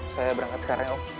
saya berangkat sekarang ya om